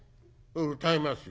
「歌いますよ。